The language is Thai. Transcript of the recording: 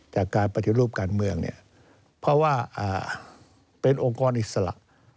จากการปฏิรูปการเมืองเนี่ยเพราะว่าเป็นองค์กรอิสระ